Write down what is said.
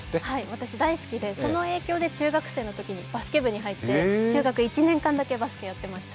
私大好きでその影響で中学でバスケ部に入って中学１年間だけバスケをやっていました。